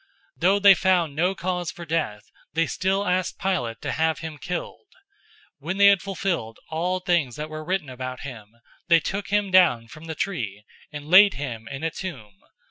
013:028 Though they found no cause for death, they still asked Pilate to have him killed. 013:029 When they had fulfilled all things that were written about him, they took him down from the tree, and laid him in a tomb.